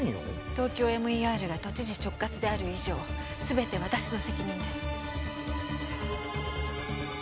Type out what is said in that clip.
ＴＯＫＹＯＭＥＲが都知事直轄である以上全て私の責任です